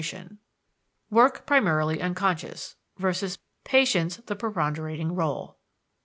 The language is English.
Work primarily unconscious. Patience the preponderating rôle.